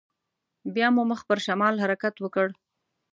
بيا مو مخ پر شمال حرکت وکړ.